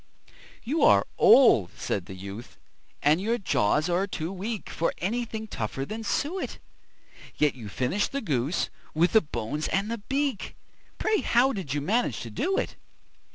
"You are old," said the youth, "and your jaws are too weak For anything tougher than suet; Yet you finished the goose, with the bones and the beak Pray, how did you manage to do it?"